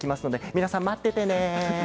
皆さん待っててね。